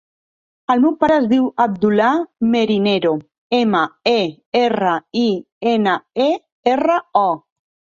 El meu pare es diu Abdullah Merinero: ema, e, erra, i, ena, e, erra, o.